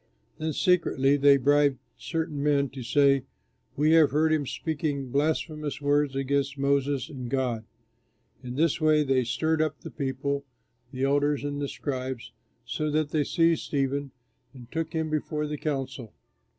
Then secretly they bribed certain men to say, "We have heard him speaking blasphemous words against Moses and God." In this way they stirred up the people, the elders and the scribes, so that they seized Stephen and took him before the council.